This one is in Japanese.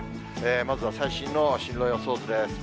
まずは最新の進路予想図です。